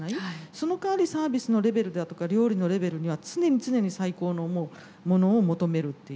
その代わりサービスのレベルだとか料理のレベルには常に常に最高のものを求めるっていう。